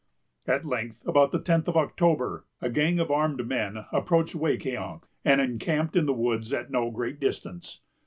At length, about the tenth of October, a gang of armed men approached Wecquetank, and encamped in the woods, at no great distance.